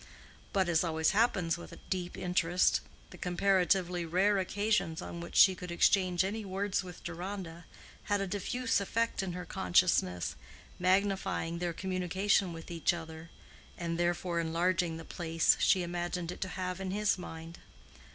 But, as always happens with a deep interest, the comparatively rare occasions on which she could exchange any words with Deronda had a diffusive effect in her consciousness, magnifying their communication with each other, and therefore enlarging the place she imagined it to have in his mind.